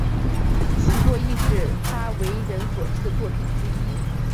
此作亦是他为人所知的作品之一。